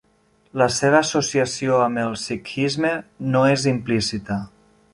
La seva associació amb el sikhisme no és implícita.